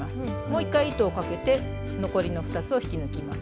もう一回糸をかけて残りの２つを引き抜きます。